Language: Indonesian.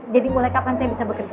jadi mulai kapan saya bisa bekerja